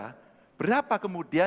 kita bisa berapa kemudian